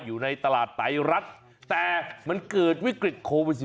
อยู่ในตลาดไตรรัฐแต่มันเกิดวิกฤตโควิด๑๙